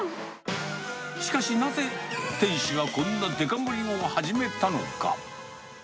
しかし、なぜ店主はこんなデカ盛りを始めたのか。